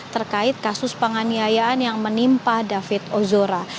terkait kasus penganiayaan yang menimpa david ozora